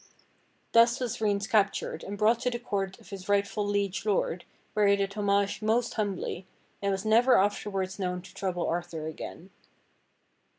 Thus was Reince captured and brought to the court of his rightful Liege Lord where he did homage most humbly, and was never after wards known to trouble Arthur again.